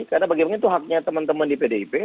karena bagaimana itu haknya teman teman di pdip